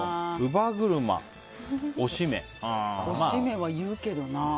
おしめは言うけどな。